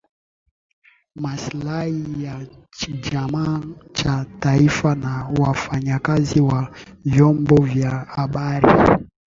maslahi ya chama cha taifa na wafanyakazi wa vyombo vya habari